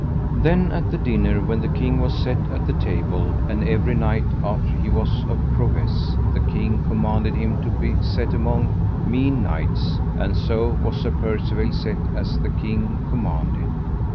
Then at the dinner, when the king was set at the table, and every knight after he was of prowess, the king commanded him to be set among mean knights; and so was Sir Percivale set as the king commanded.